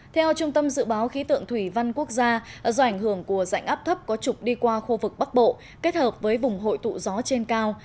theo trung tâm dự báo khí tượng thủy văn quốc gia do ảnh hưởng của dạnh áp thấp có trục đi qua khu vực bắc bộ kết hợp với vùng hội tụ gió trên cao